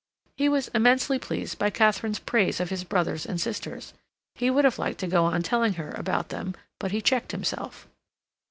He was immensely pleased by Katharine's praise of his brothers and sisters. He would have liked to go on telling her about them, but he checked himself.